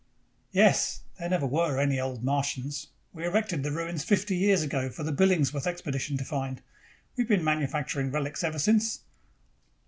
"Yes. There never were any Old Martians. We erected the ruins fifty years ago for the Billingsworth Expedition to find. We've been manufacturing relics ever since."